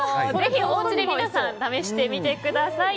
ぜひお家で皆さん試してみてください。